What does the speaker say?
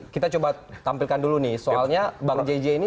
kita coba tampilkan dulu nih soalnya bang jj ini